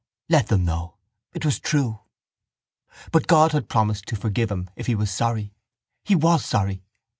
Let them know. It was true. But God had promised to forgive him if he was sorry. He was sorry.